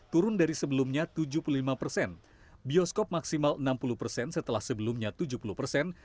turun dari sebelumnya tujuh puluh lima persen bioskop maksimal enam puluh persen setelah sebelumnya tujuh puluh persen